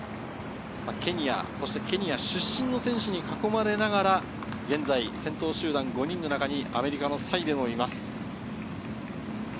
ケニア出身の選手に囲まれながら現在、先頭集団５人の中にアメリカのサイデルもいます。